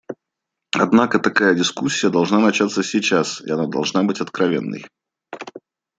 Однако такая дискуссия должна начаться сейчас, и она должны быть откровенной.